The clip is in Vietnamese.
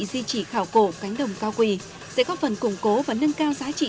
di trị hảo cổ cánh đồng cao quỳ sẽ có phần củng cố và nâng cao giá trị